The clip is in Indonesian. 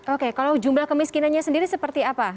oke kalau jumlah kemiskinannya sendiri seperti apa